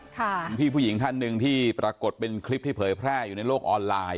คุณพี่ผู้หญิงท่านหนึ่งที่ปรากฏเป็นคลิปที่เผยแพร่อยู่ในโลกออนไลน์